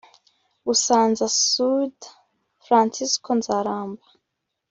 BusanzaSud Fransisko Nzaramba